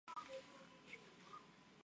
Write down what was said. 是四川省凉山彝族自治州首府所在地。